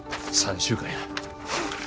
３週間や。